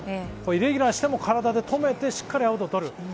イレギュラーしても体で止めて、しっかりアウトを取る。